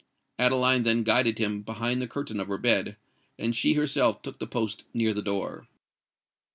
Adeline then guided him behind the curtain of her bed; and she herself took her post near the door.